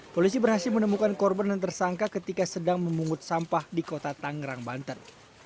polisi berhasil menemukan korban dan tersangka ketika sedang memungut sampah di kota tangerang banten